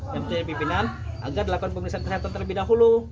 yang penting pimpinan agar dilakukan pemerintahan kesehatan terlebih dahulu